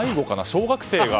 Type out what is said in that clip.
小学生が。